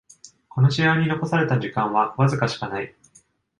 この試合に残された時間はわずかしかない